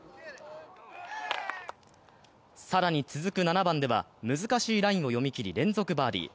更に続く７番では、難しいラインを読み切り連続バーディー。